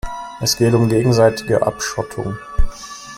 Es geht um gegenseitige Abschottung.